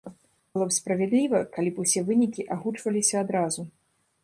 Было б справядліва, калі б усе вынікі агучваліся адразу.